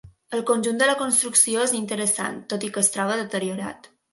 El conjunt de la construcció és interessant tot i que es troba deteriorat.